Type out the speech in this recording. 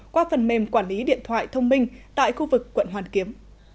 qua phần mềm quản lý điện thoại thông minh tại khu vực quận hoàn kiếm